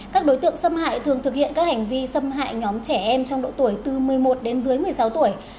các đối tượng xâm hại thường thực hiện các hành vi xâm hại nhóm trẻ em trong độ tuổi từ một mươi một đến dưới một mươi sáu tuổi